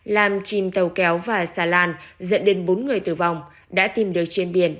làm chìm tàu kéo và xà lan dẫn đến bốn người tử vong đã tìm được trên biển